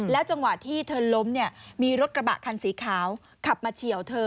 จังหวะที่เธอล้มเนี่ยมีรถกระบะคันสีขาวขับมาเฉียวเธอ